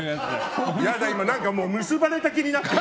嫌だ、今結ばれた気になった。